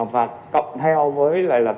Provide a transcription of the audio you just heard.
và cộng theo với